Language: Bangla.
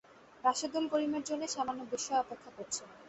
রাশেদুল করিমের জন্যে সামান্য বিস্ময় অপেক্ষা করছিল।